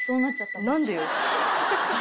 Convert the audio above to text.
何でよ。